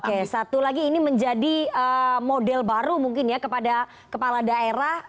oke satu lagi ini menjadi model baru mungkin ya kepada kepala daerah